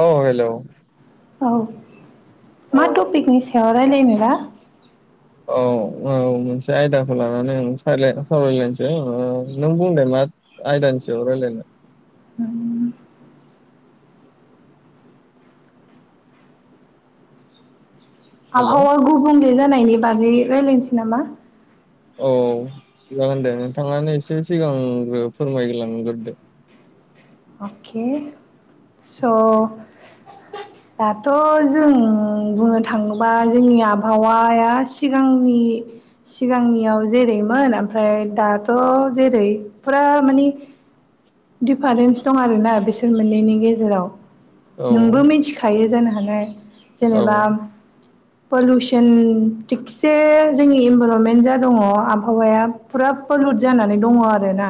अ hello औ औ मा टपिकनि सायाव रायलायनोबा? औ औ मोनसे आयदाखौ लानानै आं सायलाय सावरायलायनोसै नों बुंदों दे मा आयदानि सायाव रायलायनो। उम हेलौ आबहावा गुबुंले जानायनि बागै रायलायनोसै नामा? औ जागोन दे नोंथाङानो एसे सिगांग्रो फोरमायलांगोरदो। अके स' दाथ' जों बुंनो थाङोबा जोंनि आबहावाया सिगांनि सिगांनियाव जेरैमोन आमफ्राय दाथ' जेरै फुरा मानि दिफारेन्स दं आरो ना बिसोर मोननैनि गेजेराव। औ नोंबो मिथिखायो जानो हानाय। औ जेनेबा पोलुसोन थिकसे जोंनि इनभारनमेन्ट जा दङ' आबहावाया फुरा फोर [unintelligible] जानानै दङ' आरो ना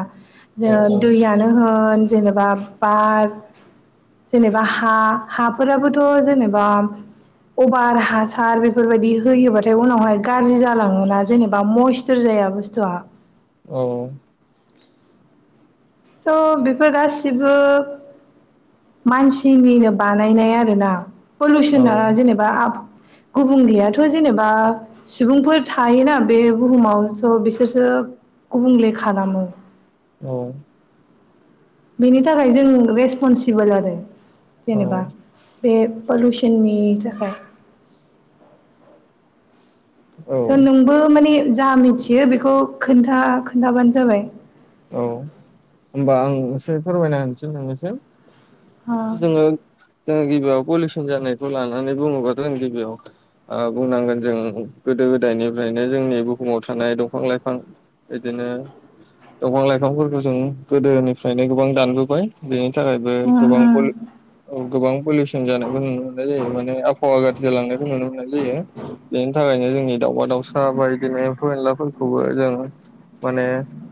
औ ओ दैयानो होन जेनेबा बार जेनेबा हा, हाफोराबोथ' जेनेबा अभार हासार बेफोरबायदि होयोबाथाय उनावहाय गाज्रि जालाङोना जेनेबा मइस्टर जा या बुस्थुवा औ। स' बेफोर गासिबो मानसिनिनो बानायनाय आरो ना। औ पलुसना जेनेबा आ गुबुंलेयाथ' जेनेबा सुबुंफोर थायो ना बे बुहुमाव स' बिसोरसो गुबुंले खालामो। औ। बेनि थाखाय जों रेसपनसिबोल आरो औ जेनेबा। बे पलुसननि थाखाय। औ स' नोंबो माने जा मिथियो बेखौ खोनथा खोन्थाबानो जाबाय। औ होमबा आं एसे फोरमायना होनसै नोंनिसिम। अ जोङो जोङो गिबियाव पलिउसन जानायखौ लानानै बुङोबाथ' जों गिबियाव ओ बुंनांगोन जों गोदो गोदायनिफ्रायनो जोंनि बुहुमाव थानाय दंफां-लाइफां बिदि नो दंफां-लाइफांफोरखौ जों गोदोनिफ्रायनो गोबां दानबोबाय बे नि थाखायबो गोबां उम पलि गोबां पलिउसन जानायखौ नुनो मोननाय जायो, माने आबहावा गा ज्रि जालांनायखौ नुनो मोननाय जायो। बेनि थाखायनो जोंनि दाउमा-दाउसा बाय बिदिनो एम्फौ एनलाफोरखौबो जों माने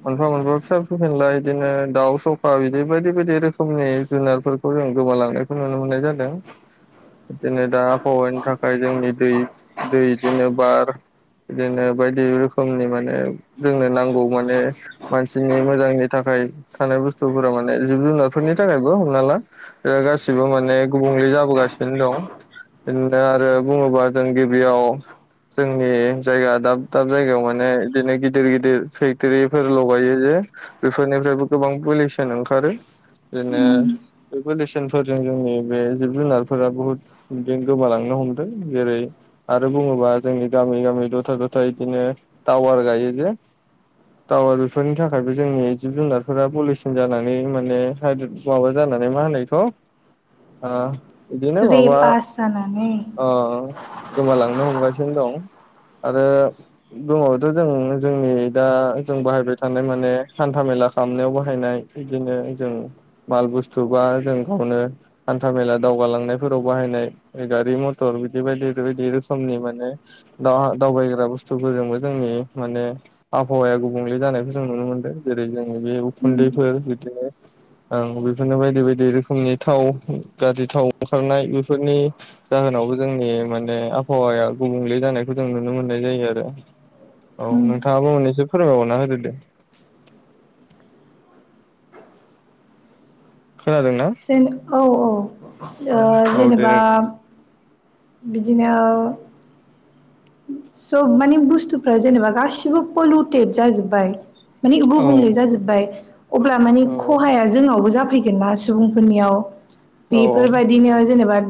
मोनफा-मोनफा फिसा-फेनला बिदिनो दाउ सखा बिदि बायदि बायदि रोखोमनि जुनारफोरखौ जों गोमालांनायखौ नुनो मोननाय जादों। बिदिनो दा आबहावानि थाखाय जोंनि दै दै बिदिनो बार, बिदिनो बायदि रोखोमनि माने जोंनो नांगौ माने मानसिनि मोजांनि थाखाय थानाय बुस्थुफोरा माने जिब-जुनारफोरनि थाखायबो हमना ला गासिबो माने गुबुंले जाबोगासिनो दं। बिदिनो आरो बुङोबा जों गिबियाव जोंनि जायगा दाब-दाब जायगायाव माने बिदिनो गिदिर गिदिर फेक्टरिफोर लगायो जे, बेफोरनिफ्रायबो गोबां पलिसन ओंखारो उम बिदिनो बे पलिउसनफोरजों जोंनि बे जिब-जुनारफोरा बुहुद बिदि गोमालांनो हमदों जेरै- आरो बुङोबा जोंनि गामि-गामि दथा-थथा बिदिनो टावार गायो जे [inaudible] टावार बेफोरनि थाखायबो जोंनि जिब-जुनारफोरा पलिसिन जानानै माने हाइद्रिद माबा जानानै मा होनो बेखौ आ बिदिनो रे माबा पास जानानै आ गोमालां नो हमगासिनो दं। आरो गोमाबाथ' जों जोंनि दा जों बाहायबाय थानाय माने हान्था-मेला खालामनायाव बाहायनाय बिदिनो जों माल बुस्थु बा जों गावनो हान्था-मेला दावगालांनायफोराव बाहायनाय गारि-मथर बिदि बायदि बायदि बै समनि माने दा दावबायग्रा बसथुफोरजोंबो जोंनि माने आबहावाया गुबुं ले जानायखौ जों नुनो मोन्दों। जेरै जों बे उम उखुन्दैफोर बिदिनो आं बेफोरनो बायदि बायदि रोखोमनि थाव गाज्रि थाव ओंखारनाय बेफोरनि जाहोन नावबो जोंनि माने आबहावाया गुबुंले जानायखौ जों नुनो मोननाय जायो आरो। औ उम नोंथाङाबो मोननैसो फोरमबायबावना होदोदे खोनादोंना जेन औ औ जेनेबा बिदिनो सब माने बुस्थुफ्रा जेनेबा गासिबो पलुटेद जाजोब्बाय मानि गुबुंले औ जाजोबबाय, अब्ला माने औ खहाया जोंनावबो जा फैगोना सुबुंफोरनियाव औ बेफोरबायदिनो जेनेबा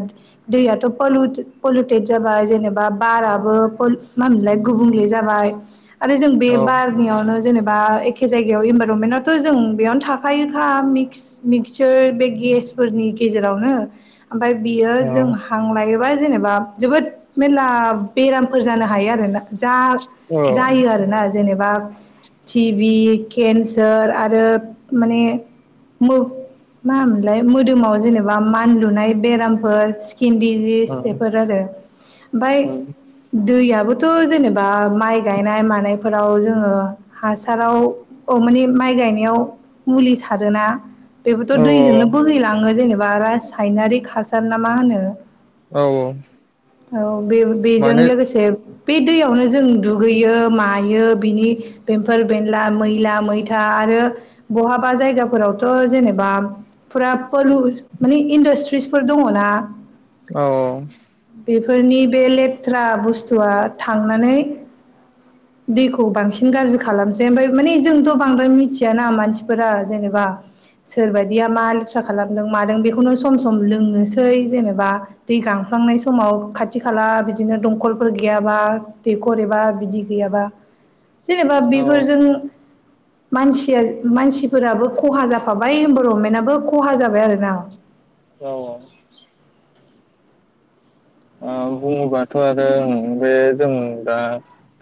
दैयाथ' पलिउटेट जाबाय जेनेबा बारा ओ पलु मा होनोमोनलाय गुबुंले जाबाय आरो जों बे औ बारनियावनो जेनेबा एखे जायगायाव इनभाइरनमेन्टआवथ' जों बेयावनो थाखायोखा मिक्सचार बे गेसफोरनि गेजेरावनो ओमफफ्राय बियो जों हां लायोबा जेनेबा जोबोद मैला बेरामफोर जानो हायो आरोना जा जायो आरोना जेनेबा टिभि केन्सार आरो माने मो मा होनोमोनलाय मोदोमाव जेनेबा मानलुनाय बेरामफोर स्किन डिजिस बेफोर आरो ओमफ्राय दैयाबोथ' जेनेबा माइ गायनाय मानायफोराव जोङो हासाराव माने माइ गायनायाव मुलि सारोना औ बेबोथ' दैजोंनो बोहैलाङो जेनेबा रासायनारि हासार ना मा होनो औ औ औ बे बेजों माने लोगोसे बे दैयावनो जों दुगैयो मायो बिनि बेमफोर बेनला मैला मैथा आरो बहाबा जायगाफोरावथ' जेनेबा फुरा पलु माने इदारट्रि फोर दङना औ बेफोरनि बे लेथ्रा बुस्थुआ थांनानै दैखौ बांसिन गाज्रि खालामसै ओमफ्राय माने जोंथ' बांद्राय मिथियाना मानसिफोरा जेनेबा सोरबदिया मा लेथ्रा खालामदों मादों बेखौनो सम सम लोंनोसै जेनेबा दै गां गांनाय समाव खाथि खाला बिदि बिदिनो दंखलफोर गैयाबा दैखर एबा बिदि गैयाबा जेनेबा औ बेफोरजों मानसिया मानसिफोराबो खहा जाफाबाय इमभाइरमेन्टआबो खहा जाबाय आरो ना औ औ ओ बुङोबाथ' आरो बे जों दा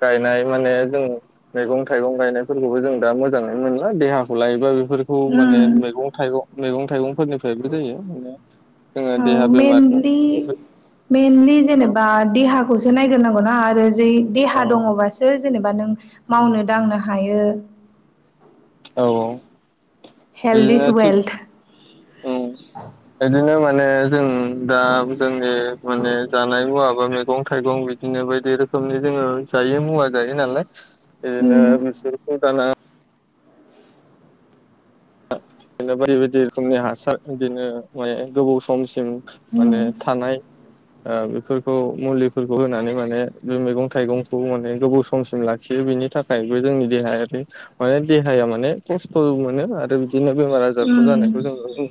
गायनाय माने जों मैगं थाइगं गायनायफोरखौबो जों दा मोजाङै मोनला देहाखौ लायोब्लाबो बेफोरखौ माने उम मैगं थाइगं मैगं थाइगंफोरनिफ्रायबो जायो माने जोङो औ देहा बेमार मेनलि मेनलि औ जेनेबा देहाखौसो नायग्रोनांगौना आरो जै औ देहा दङबासो जेनेबा नों मावनो दांनो हायो औ औ हेल्थ इज वेल्थ ओं बिदिनो माने जों दा जोंनि माने जानाय मुवा मैगं थाइगं बिदिनो बायदि रोखोमनि जोङो जायो मुवा जायो उम नालाय [unintelligible] बिदिनो बायदि बायदि रोखोमनि हासार बिदिनो माने गोबाव सम माने उम थानाय ओ बेफोरखौ मुलिफोरखौ होनानै माने बे मैगं थाइगंखौ माने गोबाव समसिम लाखियो बिनि थाखायबो जोंनि देहायारि माने देहाया माने खस्थ' मोनो आरो बिदिनो बेमार आजारखौ उम जानायखौ जों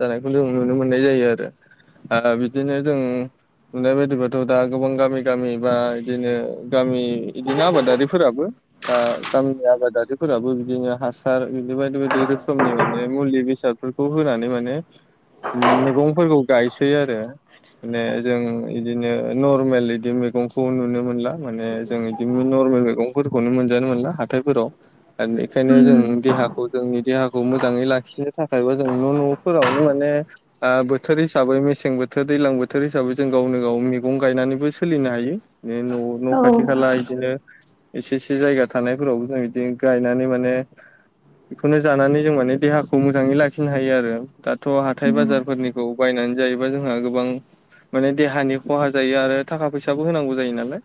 जानायखौ जों नुनो मोननाय जायो आरो आ बिदिनो जों मोननाय बायदिबाथ' दा गोबां गामि गामि बा बिदिनो गामि इदिनो आबादारिफोराबो दा गामिनि आबादारिफोराबो बिदिनो हासार बिदि बायदि बायदि रोखोम रोखोमनि माने मुलि बेसादफोरखौ होनानै माने मैगंफोरखौ गायसै आरो माने जों इदिनो नर्मेल बिदि मैगंखौ नुनो मोनला माने जों बिदिनो नरमेल मैगंफोरखौनो मोनजानो मोनला हाथायफोराव आरो बेखायनो जों उम देहाखौ जोंनि देहाखौ मोजाङै लाखिनो थाखायबा जों न' न'फोरावनो माने ओ बोथोर हिसाबै मेसें बोथोर दैज्लां बोथोर हिसाबै जों गावनो गाव मैगं गायनानैबो सोलिनो हायो न'आव न' औ खाथि खाला बिदिनो एसे एसे जायगा थानायफोरावबो जों बिदि गायनानै माने बेखौनो जानानै जों माने देहाखौ मोजाङै लाखिनो हायो आरो दाथ हाथाय उम बाजारफोरनिखौ बायनानै जायोबा जोंहा गोबां माने देहानि खहा जायो आरो थाखा फैसाबो होनांगौ जायो नालाय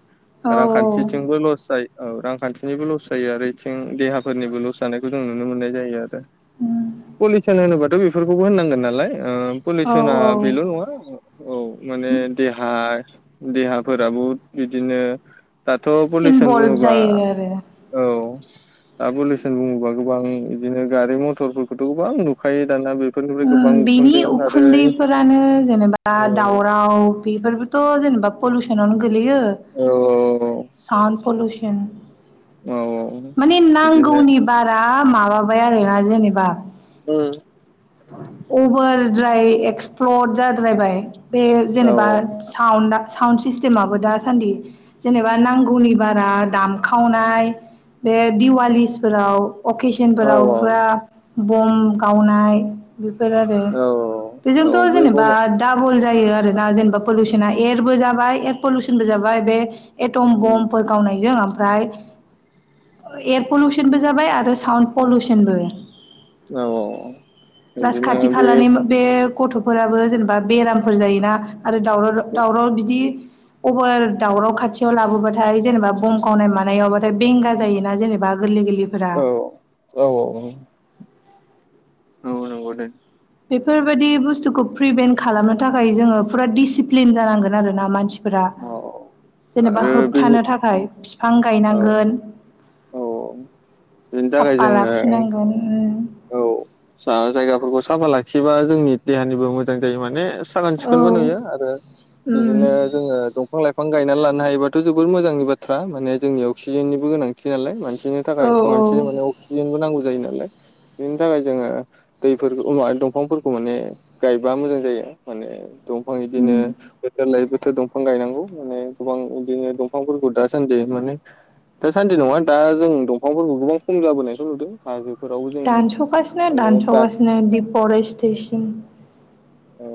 औ रांखान्थिथिंबो लस जायो औ रांखान्थिनिबो लस जायो आरो बेथिं देहाफोरनिबो लस जानायखौ जों नुनो मोननाय जायो आरो पलिउसन होनोबाथ बेफोरखौबो होननांगोन नालाय औ पलिउसना बेल औ नङा औ माने देहा देहाफोराबो बिदिनो दाथ पलिसन इनभल्भ बुङोबा जायो आरो औ पुलिसनि बुङोबा गोबां बिदिनो गारि मथरफोरखौथ गोबां नुखायो दाना बे बेनि उखुन्दैफोरानो जेनेबा औ दावराव बेफोरबोथ जेनेबा पलुसनावनो गो लैयो औ साउन पलुसन औ माने बिदिनो नांगौनि बारा माबाबाय आरोना जेनेबा अम अभारद्राय एक्सप्लर जाद्रायबाय बे औ जेनेबा साउन्डआ साउन्ड सिस्टेमाबो दासान्दि जेनेबा नांगौनि बारा दामखावनाय बे दिवालिसफोराव औ अकेसनफोराव फुरा बम गावनाय बेफोर आरो औ औ बेजोंथ बे जेनेबा गमा दाबल जायो आरोना जेनेबा पलुसना एयारबो जाबाय एयार पलिउसनबो जाबाय बे एटम बमफोर गावनायजों ओ मफ्राय एयार पलुसनबो जाबाय आरो साउन्ड पलिउसनबो औ प्लास बिदिनो खाथि बे खालानि बे गथ'फोराबो जेनेबा बेरामफोर जायोना आरो दावराव-दावराव बिदि अबार दावराव खाथियाव लाबोबाथाय जेनेबा बम गावनाय मानायावबाथाय बेंगा जायोना जेनेबा गोरलै-गोरलै औ औ औ औ नंगौ दे बेफोरबायदि बुस्थुखौ प्रिभेन्ट खालामनो थाखाय जोंङो फुरा डिसिप्लिन जानांगोन आरो ना मानसि फोरा औ औ जेनेबा आरो बेनि होबथानो थाखाय बिफां औ गायनांगोन बिनि थाखाय साफा जोंङो लाखिनांगोन औ जा-जायगाफोरखौ साफा लाखिबा जोंनि देहानिबो मोजां जायो माने साखोन औ सिखोनबो नुयो आरो उम बिदिनो जोंङो दंफां लाइ फां गायनानै लानो हायोबाथ जबोर मोजांनि बाथ्रा माने जोंनि अक्सिजेननिबो गोनांथि नालाय मानसिनि थाखाय औ औ मानसि माने अक्सिजेनबो नांगौ जायो नालाय बिनि थाखाय जोंङो दैफोरखौ उनावहाय दंफांफोरखौ माने गायबा मोजां जायो। माने दंफां बिदिनो उम बोथोर लायो बो थोर दंफां गायनांगौ माने गोबां बिदिनो दंफांफोरखौ दासान्दि माने दा सान्दि नङा दा जों दंफांफोरखौ गोबां खम जाबोनायथ नुदों मा दानस'गासिनो दान'सगासिनो दिफरेस्टेसन औ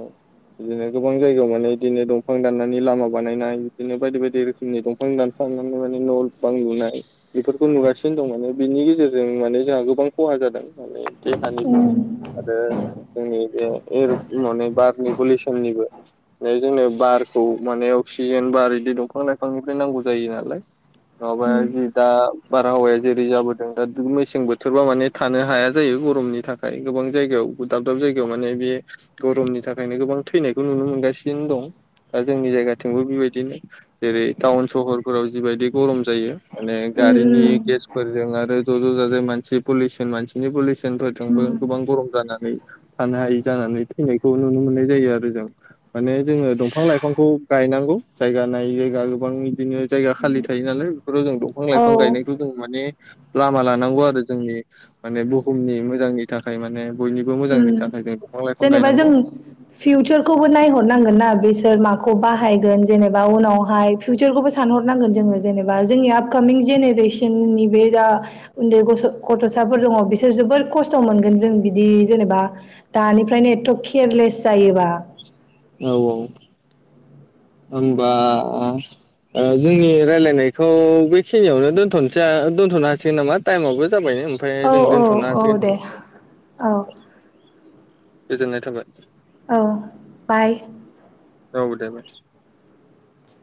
बिदिनो गोबां जायगायाव माने बिदिनो दंफां दाननानै लामा बानायनाय बिदिनो बायदि बायदि रोखोमनि दंफां दानफा यनाय न'बां लुनाय बेफोरखौ नुासिनो दं माने बिनि गेजेरजों माने जोंहा गोबां खहा जा दों माने देहानिबो आरो जोंनि बे माने बारनि पलिउसननिबो बे जोंङो बारखौ माने अक्सिजेन बार बिदि दंफां लाइफांनिफ्राय नांगौ जायो नालाय नङाबा जि दा बारहावाया जेरै जाबोदों दा मेसें बोथोरबा माने थानो हाया जायो गरमनि थाखाय गोबां जायगायाव दाब दाब जायगायाव माने बे गरमनि थाखायनो गोबां थैनायखौ नुनो मोनगासिनो दं। दा जोंनि जायगाथिंबो बेबायदिनो जेरै टाउन सहरफोराव जिबायदि गरम जायो माने गारिनि गेसफोरजों आरो ज' ज' जाजाय मानसि पुलिसन मानसिनि पलि सनफोरजोंबो गोबां गरम जानानै थानो हायि जानानै फैनायखौ नुनो मोननाय जायो आरो जों माने जोंङो दंफां लाइफांखौ गायनांगौ जायगा नायै जायगा गोबां बिदिनो जायगा खालि थायो नालाय फोराव जों दंफां औ लाइफां गायनायखौ जों माने लामा लानांगौ आरो जोंनि माने बुहुमनि मोजांनि थाखाय माने बयनिबो मोजांनि उम थाखाय गाय बिफां लाय जेनेबा जों फिउचारखौबो नायहरनांगोन ना बे‌ सोर माखौ बाहायगोन जेनेबा उनावहाय फिउचारखौबो सानहरनांगोन जोंङो जेनेबा जोंनि आपकामिं जेनेरेसननि बे जा उन्दै गथ' गथ'साफोर दङ बिसोर जोबोर खस्थ' मोनगोन जों बिदि जेनेबा दानिफ्रायनो एथ' केयारलेस जायोबा औ औ होनबा ओ जोंनि रायलायनायखौ बेखिनियावनो दोनथ'नसा दोनथ'नो हासिगोन नामा टाइमआबो जाबायनो ओमफाय औ जों औ दोनथ'नो हासैन औ [inaudible] दे औ गोजोननाय थाबाय। औ बाय औ दे बाय।